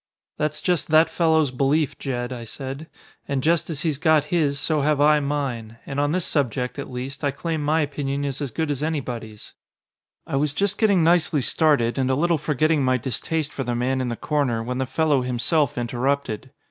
"That's just that fellow's belief, Jed," I said. "And just as he's got his so have I mine. And on this subject at least I claim my opinion is as good as anybody's." I was just getting nicely started, and a little forgetting my distaste for the man in the corner, when the fellow himself interrupted.